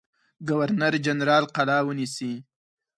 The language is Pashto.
ګورنر جنرال قلا ونیسي.